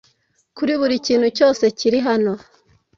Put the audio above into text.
kuri buri kintu cyose kiri hano